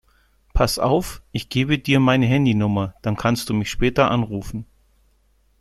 Pass auf, ich gebe dir meine Handynummer, dann kannst du mich später anrufen.